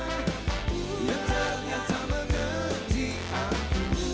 yang ternyata mengerti aku